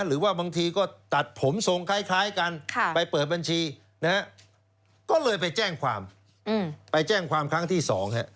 หรือว่าบางทีก็ตัดผมทรงคล้ายกันไปเปิดบัญชีนะฮะก็เลยไปแจ้งความไปแจ้งความครั้งที่๒